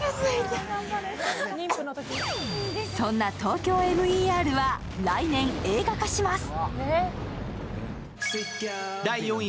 そんな「ＴＯＫＹＯＭＥＲ」は来年映画化します。